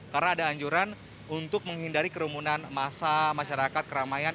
karena ada anjuran untuk menghindari kerumunan masa masyarakat keramaian